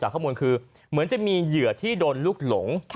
เหมือนมีเหยือที่โดนลูกหลง